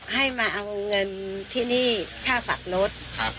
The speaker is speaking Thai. ให้มาเอาเงินที่นี่ค่าฝักรถ